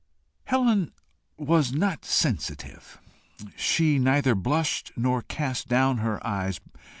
Helen was not sensitive. She neither blushed nor cast down her eyes.